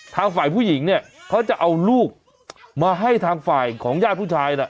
ทางฝ่ายผู้หญิงเนี่ยเขาจะเอาลูกมาให้ทางฝ่ายของญาติผู้ชายน่ะ